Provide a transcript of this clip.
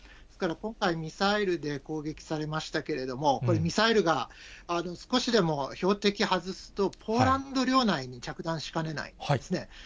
ですから今回、ミサイルで攻撃されましたけれども、これ、ミサイルが少しでも標的外すと、ポーランド領内に着弾しかねないんですね。